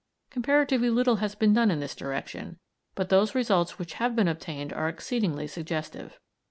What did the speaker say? Comparatively little has been done in this direction, but those results which have been obtained are exceedingly suggestive.